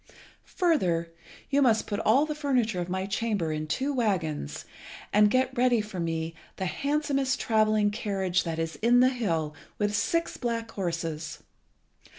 Further, you must put all the furniture of my chamber in two waggons, and get ready for me the handsomest travelling carriage that is in the hill, with six black horses.